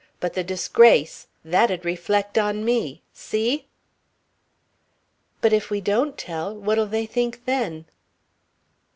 But the disgrace that'd reflect on me. See?" "But if we don't tell, what'll they think then?"